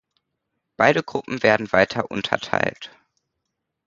Beide Gruppen werden weiter unterteilt.